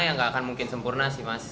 ya nggak akan mungkin sempurna sih mas